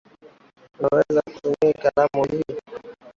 Unaweza kutumia kalamu hii.